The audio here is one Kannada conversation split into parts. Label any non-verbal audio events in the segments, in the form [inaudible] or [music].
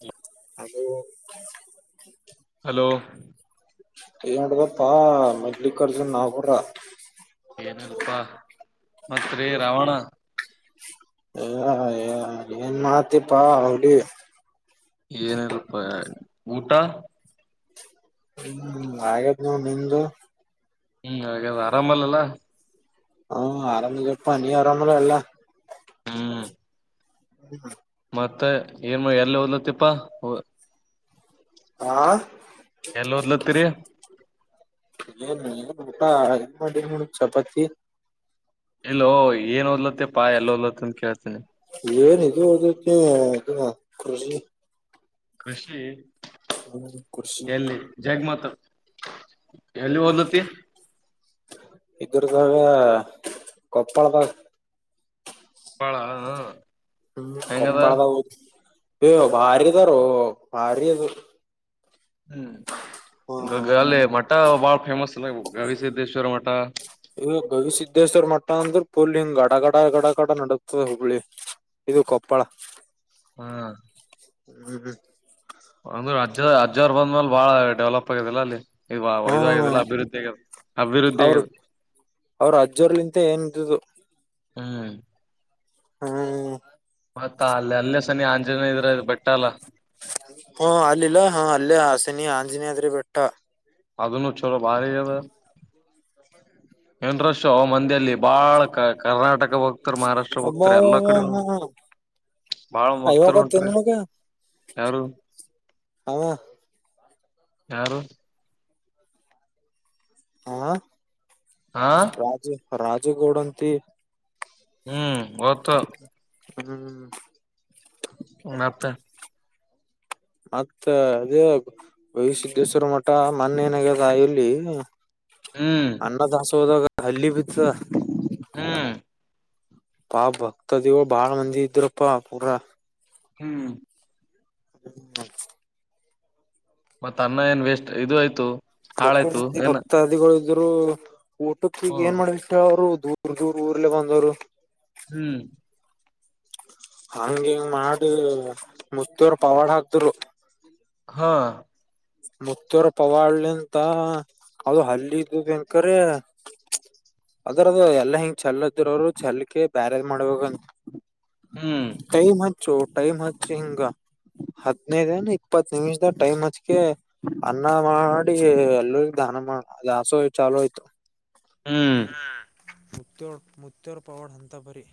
ಹ ಹ ಹಲೋ ಮಾಡಟದಪ್ಪಾ ಮಲಿಕ್ಾರ್ಜುನ್ ನಪುರ್ರ ಏನಲ್ಪಾ ಮತ್ರಿ ರಾವಣ ಏನ್ ಮಾತಿಪ್ಪಾ ಅಡಿ ಏನಲ್ಪ ಊಟ ಹ್ಮ್ ಆತ್್ ನ ನಿಮ್ದು ಹ್ಮ್ ಹಾಗದು ಆರಾಮಲ್ಲಲ್ಲ ಹ್ಮ ಆರಾಮ ಅನಿಯ ಆರಾಮಾಮಲ ಎಲ್ಲ ಹಾ ಹ ಹಾ ಮತ್ತ ಏನು ಎಲ್ಲಿ ಓದ್ಲತ್ತಪ್ಪಾ ಹಾ ಎಲ್ಲಿ ಓದ್ಲತ್ತೀರಿ ಎ ಮಾಡ ಚಪಾತಿ ಎಲ್ಲೋ ಏನ್ ಓದ್ಲತ್ತೆ ಪಾಯ ಎಲ್ಲ ಓದಲತ್ತನ್ ಕ ಏನ್ ಇದುದು ಹ್ಮ ಹ ಕಜಿ ಕೃಷಿ ಕೃಷಿ ಎಲ್ಲಿ ಜಗಮತ್ ಎಲ್ಲಿ ಓದತಿ ಇದರ್ಗಾಗ ಕೊಪ್ಪಳ ಬ ಬಾಳ ಹ್ಮ ಹೆಂಗದ ಕಪಳ ತ ಹ ಬಾರಿ ಅಾರೋ ಭಾರ ಅದು ಹ್ಮ್ ಇಕ ಗ ಹ್ಮ್ ಅಲ್ಲೆ ಮಠ ಬಾಳ ಫೇಮಸ್ ಅ ಗಸಿದ್ದೇಶ್ವರ ಮಠ ಪೂಲಿಿಂದ ಗಡ ಗಡ ಗಡ ಗಡ ನಡಗ್ತದೆ ಹುಬ್ಳಿ ಇದು ಕೊಪ್ಪಳ ಹಾ ಹ್ಮ್ ಹ್ಮ್ ಅ ಅಜ್ ಅವರ್ ಬಂದ ಮೇಲೆ ಬಾಳ ಡೆವಲಪ್ ಆಗದಿಲ್ಲಲ್ಲ ಅಲ್ಲಿ ಹ್ಮ ಇದಾಗ್ಯದಲ್ಲ ಅಭಿವೃದ್ಧಿ ಆಗ್ಯದ ಅಭಿವೃದ್ಧಿ ಅವ್ರ ಆಗ್ಯದ ಅವ್ರ ಅಜ್ಜೋರ್ಲಿಂತ ಏನು ಹ್ಮ್ ಹ್ಮ್ ಮತ್ತ ಅಲ್ಲೆಲ್ಲ ಸನೆ ಜನ ಇದ್ರದು ಹ್ಮ ಅಲ್ಲಿಲ್ಲ ಹಾ ಅಲ್ಲೇ ಹಸಿನಿ ಆಂಜನೇ ಆದೆ ಅ ಬೆಟ್ಟ ಅದನ್ನು ಚಲೋ ಭಾರಿ ಅದ ಏನ್ರ ಅವ ಮಂದಿಯಲ್ಲಿ ಬಾಳ ಕ ಕರ್ನಾಟಕ ಹೋಗ್ತಾರ ಮಹಾರಾಷ್ಟ್ರ ಹೋಗ್ತಾರ ಅಬ್ಬಬ್ಬಾ ಎಲ್ಲಾ ಕಡೆ ಹಾ ಬಾಳ ಅಯ್ಯೋ ಭಕ್ತರು ಗೊತ್ತೇನ್ ಹೊಂಟಾರಿಗ ನಿನಗ ಯಾರು ಅವ ಯಾರು. ಹಾ. ಹಾ ರಾಜು. ರಾಜಗೌಡಂತಿ. ಹ್ಮ್ ಗೊತ್ತು ಹ್ಮ್ ಮತ್ತ ಮತ್ತ ಅದೇ ಗವಿಸಿದ್ದೇಶ್ವರ್ ಮಠ ಮೊನ್ನ ಏನಾಗ್ಯದ ಇಲ್ಲಿ ಹ್ಮ್ ಅನ್ನ ದಾಸೋಹದಾಗ ಹಲ್ಲೀ ಬಿತ್ ದದ ಹ್ಮ್ ಪಾಪ ಭಕ್ತದಿಗಳು ಬಾಳ ಮಂದಿ ಇದ್ರಪ್ಪಾ ಪೂರ ಹ್ಮ್ ಹ್ಮ್ ಮತ್ತತ್ ಅನ್ನ ಏನ್ ವೇಸ್ಟ್ ಇದು ಆಯ್ತು ಕೊಪ್ಪಳ ಹಾಳಾಯ್ತು ಮಂದಿ ಏನ ಭಕ್ತಾದಿಗಳು. ಇವ್ರು ಊಟೋಕ್ಕೆಗ್ ಏನ್ ಮಾಡ್ಬಿಟ್ಟು ಅವ್ರು. ದೂರ್ ದೂರ್ ಊರ್ಲ್ಲ ಬಂದವರು. ಹ್ಮ್. ಹಂಗಿಂಗ ಮಾಡಿ ಮುತ್ತೇರ್ ಪವಾಡ್ ಹಾಕ್ದರು. ಹಾ. ಮುತ್ತೂರ ಪವಾಡದಿಂತ ಅದು ಹಲ್ಲಿಿದ್ದು ದ್ದೇನ ಖರೆ ಅದ್ರದ ಎಲ್ಲಾ ಹಿಂಗ ಚಲ್ಲದರ ಅವರು ಚೆಲ್ಕ ಬ್ಯಾರದ್ ಮಾಡ್ಬೇಕಂತ. ಹ್ಮ್. ಸೊ ಟೈಮ್ ಹಚ್ಚಿ ಹಿಂಗ ಹದ್ನೈದನ ಇಪ್ಪತ್ತು ನಿಮಿಷದ ಟೈಮ್ ಹಚ್ಕ. ಅನ್ನ ಮಾಡಿ ಎಲ್ಲರಿಗ ದಾನ ಮಾಡ ದಾಸೋಹ ಚಾಲೂ ಆಯ್ತು. ಹ್ಮ್ ಹ್ಮ್ಮ್ಮ್ ಮುತ್ತೆರ ಪವಾಡ ಹಂಂತಪರಿ.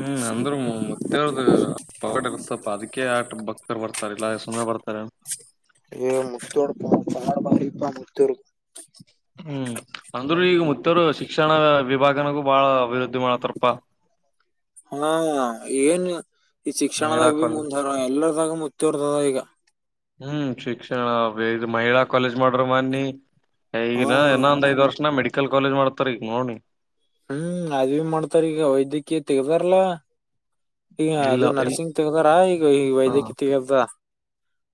ಹ್ಮ್ ಅಂದ್ರ ಮತ್ತೇವ್ರ್ದ ರ್ ಬರ್ತಾರಲ್ಲ ಸುಮ್ಮನೆ ಬರ್ತಾರೆನ್. ಹ ಬರಾಮಾರಿಪ ಮುತ್ತರು. ಹ್ಮ್ ಅಂದರುೂ ಈಗ ಮುತ್ತರು ಶಿಕ್ಷಣ ವಿಭಾಗನಗೂ ಬಹಳ ಅಭಿವೃದ್ಧಿ. ಮಾಡತಾರಪಾ ಹಾ ಏನು. ಈ ಮಹಿಳಾ ಶಿಕ್ಷಣದಾಗ ಭ ಕಾಲೇಜ್ ಮುಂದರ ಎಲ್ಲ. ಮುಚ್ಚರ್ದದ ಈಗ. ಹ್ಮ್ ಶಿಕ್ಷಣ ಬ ಮಹಿಳಾ ಕಾಲೇಜ್ ಮಾಡ್ರ ಮನ್ನಿ. ಈಗ ಹಾ ಇನ್ನೊ ಒಂದ ಐದ ವರ್ಷನ ಮೆ. ಮಡಲ್ ಕಾಲೇಜ್ ಮಾಡ್ತ ರೀ ನೋನಿ [unintelligible] ಹ್ಮ್ ಅದವಿ ಮಾಡ್ತಾರ ಈಗ ವೈದ್ಯಕೀಯ ತೆಗದಾರಲ್ಲ ಈ ಇಲ್ಲ ಅದು ಇಲ್ ನರ್ಸಿಂಗ್ ತಗೋದಾರ ಈಗ ಈ ಹ ವೈದ್ಯಕೀ ತೆಗದ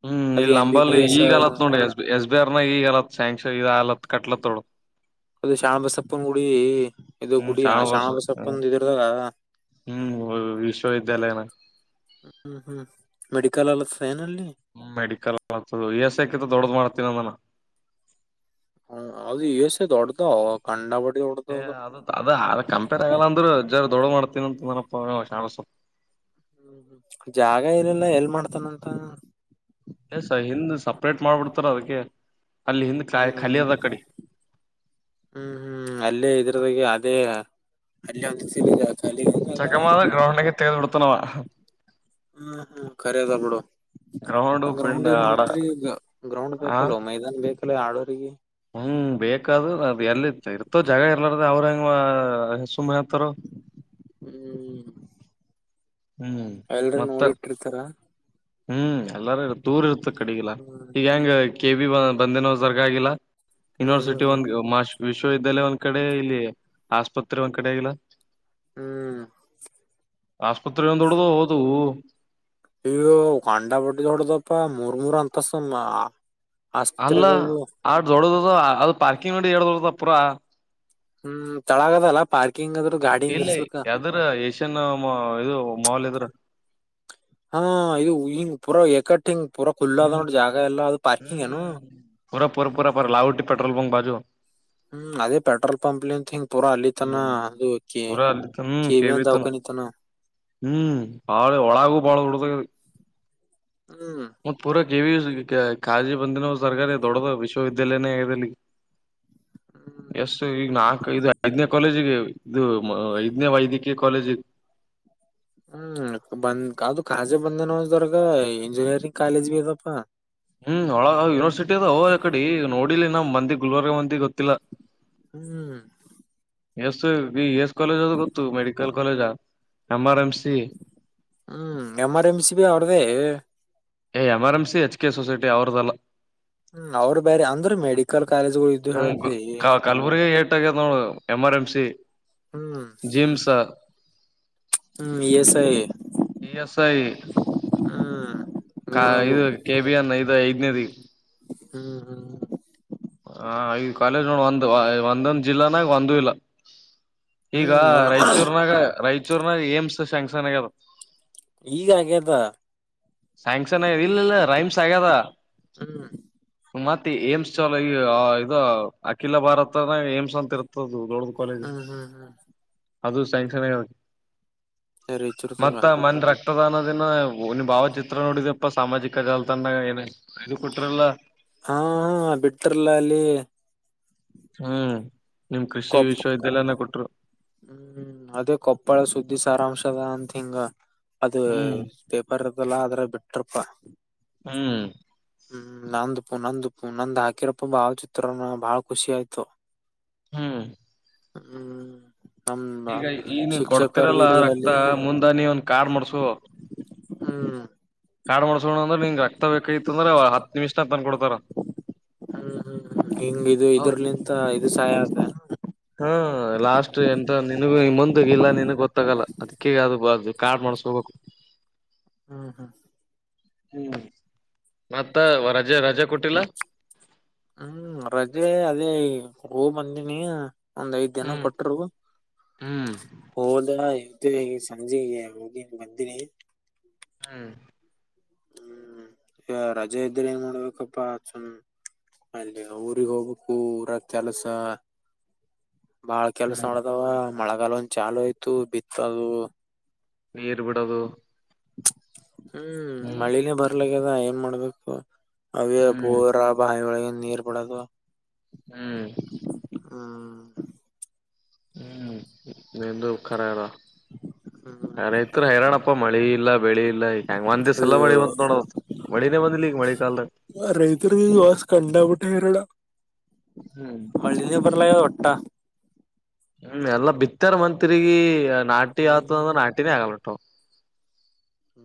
ಹ್ಮ್ ಅದ ಇಲ್ಲಿ ಎಂ ಬಿ ಲಂಬಲ್ ಬಿ ಎಸ್ ಈಗ ಆಲತ್ ನೋಡಿ ಎಸ್ ಎಸ್ ಬಿ ಆರ್ ನಾಗ ಈಗಲತ್ ಸ್ಯಾಂಕ್ಷನ್ ಇದ ಆಲತ್ ಕಟ್ಲತ್ತೋಳ ಅದು ಶಾಣಬಸಪ್ಪನ ಗುಡಿ ಇದು ಹ್ಮ್ ಗುಡಿ ಶಾಣ ಬಸ್ ಶಾಣಬಸಪ್ಪನ್ ಇದರ್ದಾಗ ಹ್ಮ್ ವಿಶ್ವವಿದ್ಯಾಲಯನ ಹ್ಮ್ ಹ್ಮ್ ಮೆಡಿಕಲ್ ಅಲ್ ಪ್ಯನಲ್ಲಿ ಹ್ಮ ಮೆಡಿಕಲ್ ಮಾಡತದ ಎಸಕಿ ದೊಡ್ಡ್ದ ಮಾಡ್ತೀನ ನಾನ ಹ ಅದು ಇಸೆ ದೊರ್ದ ಕಾಂಡಪಟ್ಟ ಏ ಅದ ಅದ ಅ ಕಂಪೇರ್ ಆಗಲ್ಲ ಅಂದ್ರರು ದೊಡ್ಡ ಮಾಡ್ತೀನ ಅಂತ ನನಪ ಶಸ ಹ್ಮ್ ಜಾಗ ಇಲ್ಲಲ್ಲ ಎಲ್ ಮಾಡ್ತಾನಂತ ಸ ಹಿಂದ ಸಪ್ರೇಟ್ ಮಾಡ್ಬಿಡ್ತಾರ ಅದಕ್ಕೆ ಅಲ್ಲಿ ಹಿಂದ್ ಹ್ಮ್ ಖಾಲಿ ಹ್ಮ್ ಅದ ಕಡೆ ಹ್ಮ್ ಹ್ಮ್ ಅಲ್ಲೇ ಇದ್ರದಾಗ ಅದೇ ಅಲ್ಲಿ ಒಂದು ಸಿರಿಿಲ್ಲ ಚಗಮದ ಗ್ರಹಣಕ್ಕೆ ತೇಳ್ ಬಿಿಡ್ [unintelligible] ಉತ್ತನವ ಹ್ಮ್ ಹ್ಮ್ ಖರದ ಬಿಡು ಪಿಂಡ್ ಗ್ರೌಂಡ್ ಏನ್ ಆಡ ಮಾಡತರಿ ಗ್ರೌಂಡ್ ಆ ಬೇಕಲ್ವ ಮೈದಾನ ಬೇಕ ಕ ಆಡರಿಗೆ ಹ್ಮ್ ಬೇಕಾದದು ಅದು ಎಲ್ಲಿ ಇರ್ತೋ ಜಾಗ ಇಲ್ಲಾರ ಅವ್ರ ಹೆ ಹ್ಮ್ ಹ್ಮ್ ಎಲ್ರ ಮತ್ತ ನೋಡಿಟ್ಟಿರ್ತಾರ ಹ್ಮ್ ಎಲ್ಲಾರ ದೂರ್ ಇರ್ ಕಡಿಗಿಲ್ಲ ಹ್ಮ್ ಈಗ ಹ್ಮ್ ಹೆಂಗ ಕೆ ಬಿ ಬಂದೇ ನೋ ಜರಗ ಆಾಗಿಲ್ಲ ಹ್ಮ್ ಯುನಿವರ್ಸಿಟಿ ಹ್ಮ್ ಒಂದು ಮಾಷ ವಿಶ್ವವಿದ್ಯಾಲಯ ಒಂದ್ ಕಡೆ ಇಲ್ಲಿ ಆಸ್ಪತ್ರೆ ಒಂದ್ ಕಡೆ ಆಗಿಲ್ಲ ಹ್ಮ್ ಆಸ್ಪತ್ರೆಗೆ ಒಂದ ದೊಡ್ದ ಹೋದು ಅ್ಯ ಅಂಡಾ ಬಟ್ಟಿದ್ದ ಹೊಡದಪ್ಪ ಮೂರ್ ಮೂರ್ ಅಂತಸಮ್ಮ ಅಲ್ಲ ಆ ದೊಡ ಅದು ಪಾರ್ಕಿಂಗ್ ನೋಡಿ [inaudible] ಪುರ ಹ್ಮ್ ತಳಗದಲ್ಲ ಪಾರಿ ಇಲ್ಲ ಯಾವ್ದ್ರ ಏಷ್ಯನ್ ಇದು ಮಾಲ್ ಇದ್ರ ಹಾ ಇದು ಹಂಗ ಪುರಾ ಎಕಟ್ಟ ಹಿಂಗ ಪೂರಾ ಖುಲ್ ಅದ ನೋ ಜಾಗ ಎಲ್ಲಾ ಅದು ಪಾರ್ಕಿಂಗ್ ಏನು ಪೂರ ಪೂರ ಪೂರ ಪರ ಲಾವುಟಿ ಪೆಟ್ರೋಲ್ಂಗ ಬಾಜುವ ಹ್ಮ್ ಅದೇ ಪೆಟ್ರೋಲ್ ಪಂಪ್ಲಿಂತ ಹಿಂಗ ಪೂರಾ ಅಲ್ಲಿತಾನ ಅದು ಕೆ ಪೂರ ಅಲ್ಲಿ ಹ್ಮ್ ಕೆಬ ಕೆವಿ ಅಂದ ತನ ದಾವಕನಿತಾನ ಹ್ಮ್ ಬಾಳ ಒಳಗೂ ಬಾಳ ಹುಡುಗ ಹ್ಮ್ ಕಾಳಜಿ ಬಂದಿನೋ ತರ್ಕಾರಿ ದೊಡ್ಡದ ವಿಶ್ವವಿದ್ಯಾಲಯನೇಗಲ್ಲಿ ಎಸ್ ಹ್ಮ್ ಈ ನಾ ಇದು ಐದನೇ ಕಾಲೇಜ್ಗೆ ಇದು ಐದನೇ ವೈದ್ಯಕೀಯ ಕಾಲೇಜ್ ಹ್ಮ್ ಬಂದ ಅದು ಕಾಜೆ ಬಂದೇನದರ್ಗ ಇಂಜಿನಿಯರಿಂಗ್ ಕಾಲೇಜ್ ಬಿ ಅದಪಾ ಹ್ಮ್ ಒಳಗ ಯೂನಿವರ್ಸಿಟಿದ ಅವ ಯ ಕಡೆ ನೋಡಿಲಿ ನಮ್ ಮಂದಿ ಗುಲ್ಬರ್ಗ ಮಂದಿ ಗೊತ್ತಿಲ್ಲ ಹ್ಮ್ ಎಸ್ ಎಸ್ ಕಾಲೇಜ್ ಅದು ಗೊತ್ತು medical college M R M C ಹ್ಮ್ ಎಮರ್ ಎನ್ಸಿ ಬಿ ಅವ್ರದೇ ಏ M R M C H K society ಅವ್ರದ್ದಲ್ಲಾ ಹ್ಮ್ ಅವ್ರ ಬೇರೆ [unintelligible] ಇದ್ದು ಹೇಳತಿ ಹ ಕಲಬುರ್ಗ ಏಟ್ ಆಗ್ಯದ ನೋಡು ಎಮ ಆರ್ ಎಂ ಸಿ ಹ್ಮ್ ಜಿಮ್ಸ್ ಹ್ಮ್ ಎ ಸ ಎಸ್ ಐ ಹ್ಮ್ ಮೂರದು ಇದು ಕೆಬಿಯನ್ ಇದು ನಿದ ಹ್ಮ್ ಹ್ಮ್ ಹ ಈ ಕಾಲೇಜ್ ನೋಡ ಒಂದು ಒಂದೊಂದ್ ಜಿಲ್ಲಾನ ಈ ಒಂದ ಇಲ್ಲ ಈಗ ಹ್ಮ್ ಹ್ಮ್ ರಾಯಚೂರ್ನಾಗ ರಾಯ ಚೂರ್ನ ಏಮ್ಸ್ ಶೆಂಗ್ಸನ್ಗ ಅದು ಈಗ ಹಾಗೆದ ಸ್ಯಾಂಗ್ಸನ್ ಇಲ್ಲ ಇಲ್ಲ ರೈಮ್ಸ್ ಆಗದ ಹ್ಮ್ ಮತ್ತೆ ಏಮ್ಸ್ ಲ ಈ ಇದು ಅಖಿಲ ಭಾರತ ಏಮ್ಸ್ ಅಂತ ಇರ್ತದ ದೊಡ್ಡ ಹ್ಮ್ ಹ್ಮ್ ಹ್ಮ್ ಅದು ಸ್ಯಾಂಕ್ಷನ್ ಸರಿ ಹೆಚಿಡ್ಕಾವ ತದಾನದಿನ ನಿ ಭಾವ ಚಿತ್ರ ನೋಡಿದಪ್ಪ ಸಾಮಾಜಿಕ ಜಾಲತಂಡ ಏನ ಇದು ಕೊಟ್ರಲ್ಲ ಹಾ ಹಾ ಬಿಟ್ ತ್ರಲ್ಲ ಅಲ್ಲಿ ಹ್ಮ ನಿಮ್ ಕೃಷಿ ಕೊಪ್ಪ ವಿಶ್ವ ವಿದ್ಯಾನಿಲಯ ದಿಂದ ಕೊಟ್ರು ಹ್ಮ್ ಅದೇ ಕೊಪ್ಪಳ ಸುದ್ದಿ ಸಾರಾಂಶದ ಅಂತಿ ಹಿಂಗ ಅದ ಹ್ಮ್ ಪೇಪರ್ ರೂಬೆಲ್ಲ ಆದ್ರ ಬಿಟ್ರಪ್ಪ ಹ್ಮ್ ಹ್ಮ್ ನಂದು ಪೂ ನಂದು ಹ ನಂದ್ ಹಾಕಿರಪ್ಪ ಭಾವಳ ಚಿತ್ರ ಬಾಳ ಖುಷಿ ಆಯ್ತು. ಹ್ಮ್. ಹ್ಮ್. ನಮ್ಮ ಈಗ ಈನು ಶಿಕ್ಷಕರು ಕೊಡ್ತಿರಲ್ಲ ರಕ್ತ ಇದ್ರಲ್ಲಿ ಮುಂದ ನೀ ಒನ್ ಕಾರ್ಡ್ ಮಾಡ್ಸು. ಹಾ. ಕಾಡ್ ಮಾಡ್ಸೋಣ ಅಂದ್ರೆ ನಿಂಗ್ ಅತ್ ಬೇಕು ಇತ್ ಬೇಡ ಹತ್ತು ನಿಮಿಷದಲ್ಲಿ ತಂದು ಕೊಡು. ಹ್ಮ್ ಹ್ಮ್ ಹಿಂಗ್ ಇದು ಇದರ್ಲಿಂತ ಇದು ಸಹಾಯ ಆತ. ಹಾ ಲಾಸ್ಟ್ ಎನ್. ಟಸ್ರಿ ಮುಂದೆ ಇಲ್ಲ ನಿನಗ್ ಗೊತ್ತಾಗಲ್ಲ ಅದಕ್ಕೇ ಅದು ಕಾಡ್ ಮಾಡಸ್ಕೋಬೇಕು. ಹ್ಮ್ ಹ್ಮ್. ಹ್ಮ ಮತ್ತೆ ರಜೆ ರಜೆ ಕೊಟ್ಟಿಲ್ಲ. ಹ್ಮ್ ರಜೆ ಅಲ್ಲಿ ಹೋಗು ಬಂದಿನಿ ಒಂದ್ ಐದ್ ದಿನ ಹ್ಮ್ ಕೊಟರು ಹ್ಮ್. ಹೋದಾ ಇತ್ತು ಸಂಜೆೆಗೆ ಹೋಗಿನ್ ಬಂದಿರಿ ಹ್ಮ್. ಹ್ಮ್ ಈಗ ರಜೆ ಇದ್ರೆ ಏನ್ ಮಾಡ್ಬೇಕಪ್ಪಾ ಚ ಅಲ್ಲಿ ಊರಿಗ್ ಹೋಗ್ಬೇಕು ಊರ ಕೆಲಸ. ಬಾಳ ಕೆಲ್ಸ ಹ್ಮ್ ಉಳಿದವ ಮಳೆಗಾಲ ಒಂದು ಚಾಲು ಆಯ್ತು ಬಿತ್ತಾವು. ನೀರ್ ಬಿಡೋದು. ಹ್ಮ್ಮ್. ಹ್ಮ್ ಮಳನೇ ಬರ್ಲ. ಇಗ ಏನ್ ಮಾಡ್ಬೇಕು. ಅವೇ ಹ್ಮ್ ಬೋರ ಬಾಯಿ ಒಳಗ. ನೀರ್ ಬಿಡದು. ಹ್ಮ್. ಹ್ಮ. ಹ್ಮ್ ನಂದುಖರಾರಾ ಹ್ಮ್ ಯಾರೈತ್ ಹೈರಾಣಪ್ಪ ಮಳಿ ಇಲ್ಲ ಬೆಳಿ ಇಲ್ಲಾ ಈ ಹಂಗ ಒಂದ್ ದಿವ್ಸ ಎಲ್ಲ ಅಯ್ಯೋ ಮಳಿ ಬಂತ ನೋಡ ಮಳಿನೇ ಬಂದ್ಲಿ ಈಗ ಮಳೆ ಕಾಲದ. ರೈತರಿಗೆ ವಾಸ್ ಕಂಡಬಿಟ್ಟೆ ಹೈರಾಣ ಹ್ಮ್. ರ್ಲ ಹೊಟ್ಟ. ಹ್ಮ ಎಲ್ಲಾ ಬಿತ್ತಾರ ಮತ್ಗಿ. ನಾಿ ಆತ ಅಂದ್ರ ಹ್ಮ್ ನಾಟಿನೇ ಆಗಲ್. ಅಪ್ಪ.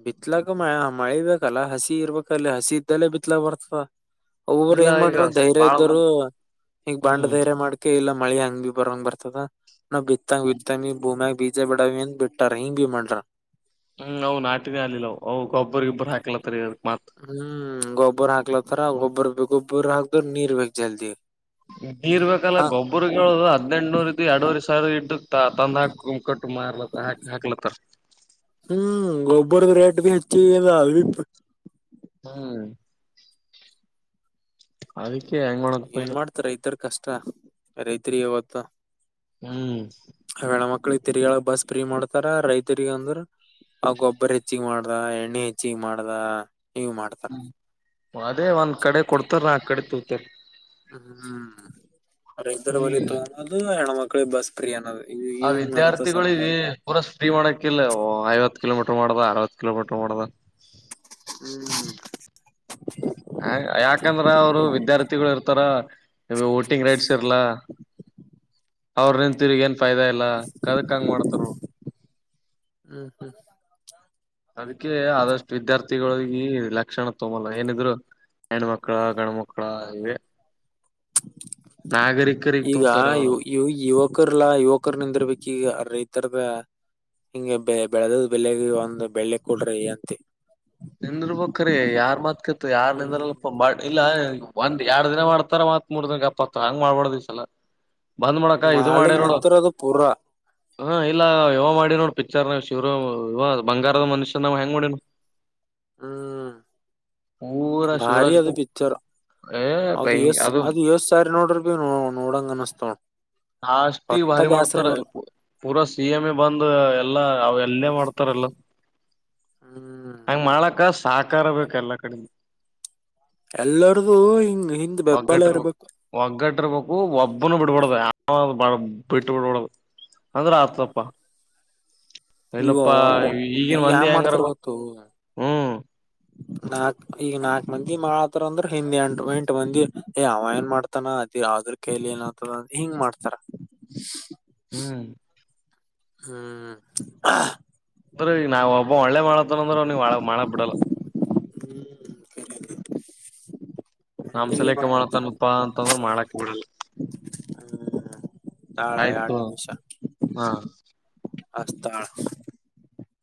ಬಿತ್ಲಕ್ಕ ಮ ಮಳಿಬೇಕಲ್ಲ ಹಸಿ ಇರ್ಬೇಕಲ್ಲಿ ಹಸಿ ಇದ್ದಲೆೇ ಬಿತ್ಲಕ್ ಬರ್ತದ. ಒಬ್ಬೊಬ್ರು ಇಲ್ಲ ಏನ್ ಈಗ ಮಾಡ್ರರು ಧೈರ್ಯ ಬಾಳ ಇದ್ದರು ಮಂದಿ ಈಗ ಬಾಂಡ ಹ್ಮ್ ಧೈರ್ಯ ಮಾಡ್ಕೆ ಇಲ್ಲ. ಮಳೆ ಹಂಗ್ ಭ ಬರಂಗ್ ಬರ್ತದ ನ ಬಿತ್ತತಾಗ ಬಿತ ಬೊಮ್ಯಜೈ. ಬೀಜ ಬಡಾವ ಅಂತ ಬಿಟ್ಟಾರ ಹಿಂಗ ಭ ಮಾಡ್ರ ಹ್ಮ್ ಹ್ ನಾಟಿನ ಆಲಿಲ್ಲವುವು ಗೊಬ್ಬರ್ ಗೊಬ್ಬರ್ ಹಾಕಲತ್ತರಿರು ಹ್ಮ್ ಂಗ ಗೊಬ್ಬರ ಹಾಕ್ತ್ತರ ಗೊಬ್ಬರ ಬೊಬರ ಹಾಕ್ದ ನೀರ್ ಬೇಕಕ್ ಜಲ್ದಿ. ನೀರ್ ಬೇಕಲ್ಲ ಹ ಗೊಬ್ಬರ ಹದ್ೆಂಟನೂರ ಇ ಎರಡೂರಿ ಸಾವಿರ ಇ್ದು ತಂದ ಹಾಕ ಕುಮಕಟ್ಟು ಮಾರ್ಲತ್ತ ಹಾಕ್ ಹಾಕ್ಲತ್ತ. ಹ್ಮ್ ಗೋಬರದ ರೇಟ್ ಭ ಹಚ್ಚಿ ಅ ಹ್ಮ್. ಅದ. ಏನ್ ಮಾಡ್ತ ರೈತರ್ ಕಷ್ಟ ರೈತರಿ ಇವತ್ತು. ತ್ತ. ಹ್ಮ್. ಮಕ್ಳಿಗೆ ತಿರಿಗಳ ಬಸ್ ಫ್ರೀ ಮಾಡ್ತಾರ ರೈತರಿಗ ಅಂದ್ರ ಆ ಗೊಬ್ಬರ ಹೆಚ್ಚಗ ಮಾಡ್ದ ಎಣ್ಣೆ ಹೆಚ್ಚಗ ಮಾಡ್ದ ಇವ್ ಮಾಡ್ತಾರ ಹ್ಮ್ ಅದೇ ಒಂದ್ ಕಡೆ ಕೊಡ್ತಾರ ನಾ ಕಡೆ. ಕುತ್ತ. ಹ್ಮ್್ದರ ಬಲಿತ ಹ್ಮ್ ಅನ್ನೋದು ಹೆಣ್ಮಕ್. ಮಕ್ಕಳು ಬಸ್ ಪ್ರಿಯ ಅನ್ನೋದು ಆ ಇವ್ ಮಾಡತ ಸರ್ಕಾರ ವಿದ್ಯಾರ್ಥಿಗಳಿಗೆ ಪೂರ ್ರೀ ಮಾಡಕ ಇಿಲ್ಲ ಆಯವತ್ತು. ಕಿೋಮೀಟರ್ ಮಾಡದ ಅರವತ್ತು ಕಿಲೋಮೀಟರ್ ಮಾಡದ ಹ್ಮ್ ಹ್ಮ್. ಹ ಯಾಕಂದ್ರ ಅವರು ವಿದ್ಯಾರ್ಥಿಗಳು ಇರ್ತಾರ ನೀ ಓಟಿಂಗ್ ರೈಟ್ಸ್ ಇರ್ಲಾ ಅವ್ರ ನಿಂತ ತಿರುಗ ಎನ್ ಫೈದಾ ಇಲ್ಲ ಕದಕ್ಕ ಹಂಗ ಮಾಡ್ತಾರ ಹ್ಮ್ ಹ್ಮ್ ಅದಕ್ಕೆ ಆದಷ್ಟು ವಿದ್ಯಾರ್ಥಿಗಳಿಗೆ ಲಕ್ಷಣ ತಗಂಬಲ್ಲ ಏನಿದ್ರು ಹೆಣ್ಣ್ಮಕ್ಳ ಗಂಡ್ಮಕ್ಳ ಇವೆ. ನಾಗರಿಕರಿಗ್ ಈಗ ತೋತಾರ ಅವ್ರು ಯುವ. ಯಕರ್ಲ್ಲಾ ಯುವಕರ ನಿಂದಿರ್ಬೇಕಕ್ ಈಗ ರೈತರ್ಗ ಹಿಂಗೆ ಬೆ ಬೆಳದ ಬೆಳಗೆ ಒಂದ್ ಬೆಳ್ಳೆ ಕೊಡ್ರಿ ಅಂತೆ. ನಂದರ್ಬಕ್ ರಿ ಯಾರ್ ಮಾತ್ಕ. ಯಾರ್ ನಿಂದ್ರ ಹ್ಮ್ ಇಲ್ಲ. ಒಂದ್ ಎರಡ್ ದಿನ ಮಾಡ್ತಾರ ಮತ್ ಮೂರ್ ದಿನ ಅಪ್ಪತ್ ಹಂಗ್ ಮಾಡ್ಬಾರ್ದಿವ್ಸಲ್ಲ. ಮಾಡಗ್ ನಿಂತಾರ ಅದು ಪೂರಾ. ಹಾ ಇಲ್ಲ ಯವ ಮಾಡಿ ನೋಡ್ ಪಿಕ್ಚರ್ ನ ಶಿವರು ಯ ಬಂಗಾರದ ಮನುಷ್ಯ ನಾವ್ ಹೆಂಗ್ ಮಾಡ. ಹ್ಮ್. ಭಾರಿ ಶಿವರಾಜ್ ಅದು ಕುಮಾರ್ ಪಿಕ್ಚರ್ ಏ ಅದು ಬೈ ಯಷ್ಟ ಅದು ಯಷ್ಟ ಸಾರಿ ನೋಡ್ರಿ ಭ ನೋಡಂಗ ಅನಸ್ತವ ಹಾ ಅಷ್ಟ ಈ ಭಾರಿ ಮಾಡ್ತಾರ ಪೂರಾ ಸಿ ಎಂ ಎ ಬಂದ ಎಲ್ಲ ಅವ ಅಲ್ಲೆ ಮಾಡ್ತಾರಲ್ಲ ಹ್ಮ್ ಹಂಗ ಮಾಡಕಸ್ ಸಾಹಕಾರ ಬೇಕ ಎಲ್ಲಾ ಕಡೆಮ ಎಲ್ಲಾರದುು ಹಿಂಗ ಹಿಂದ್ ಬೆಂಬಾಲ ಒಗ್ಗಟ್ಟಿರ್ಬೇಕು ಇರ್ಬೇಕು ಬಾಳ ಬಿಟ್ಟ ಬಿಡಡದು ಅಂದ್ರೆ ಆತಪ್ಪ ಈಗ ಇಲ್ಲಪ್ಪಾ ಒಬ್ಬ ಈಗನ್ ಈಗ ಮಂದಿ ಯಾನ್ ಹೆಂಗಾರ ಮಾಡ್ತಾರ ಗೊತ್ತು ಹ್ಮ್ ನಾಕ್ ಈಗ ನಾಕ್ ಮಂದಿ ಮಾಡತಾರ ಅಂದ್ರ ಹಿಂದ್ ಎಂಟ ಎಂಟು ಮಂದಿ ಏ ಅವ ಏನ್ ಮಾಡ್ತಾನ ಅದ ಯ್ರ ಕೈಲಿ ಏನ್ತದ ಹಿಂಗ ಮಾಡ್ತಾರ ಹ್ಮ್ ಹ್ಮ್ ಅಂದ್ರ ಈಗ ನಾವ್ ಒಬ್ಬ ಒಳ್ಳೆ ಮಾಡತ್ತಾರ ಅಂದ್ರೆ ಅವನಗ್ ಮಾಡ ಬಿಡಲ್ಲ ಹ್ಮ [unintelligible] ಅಂಸಲೇಕ ಮಾಡತನ್ ಉತ್ಪಾದ ಅಂತಂದ್ರೆ ಮಾಡಕ್ ಬಿಡಲ್ಲ ಹ್ಮ್ ತಾಳ ಎರಡ್ ಆಯ್ತು ಹಾ ಹಸ್ತಳ